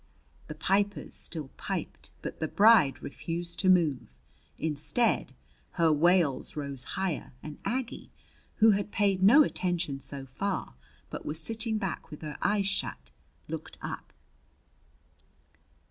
The pipers still piped. But the bride refused to move. Instead, her wails rose higher; and Aggie, who had paid no attention so far, but was sitting back with her eyes shut, looked up.